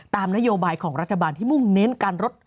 ตามนโยบายของรัฐบาลที่มุ่งเน้นการลด